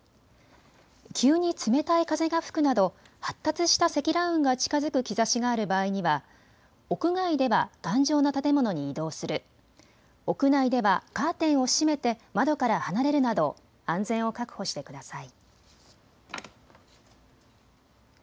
急に冷たい風が吹くなど発達した積乱雲が近づく兆しがある場合には屋外では頑丈な建物に移動する、屋内ではカーテンを閉めて窓から離れるなど安全を確保してください。